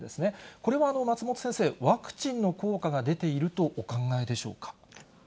これは松本先生、ワクチンの効果が出ているとお考えでしょうか。